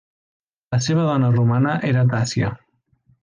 La seva dona romana era Tassia.